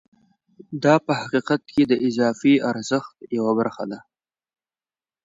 دا په حقیقت کې د اضافي ارزښت یوه برخه ده